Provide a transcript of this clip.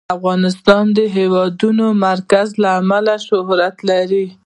افغانستان د د هېواد مرکز له امله شهرت لري.